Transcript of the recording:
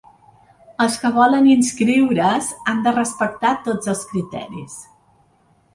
Els que volen inscriure’s han de respectar tots els criteris.